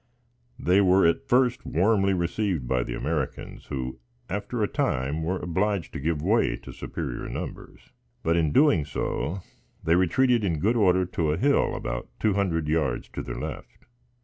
They were at first warmly received by the Americans, who, after a time, were obliged to give way to superior numbers; but, in doing so, they retreated in good order to a hill about two hundred yards to their left.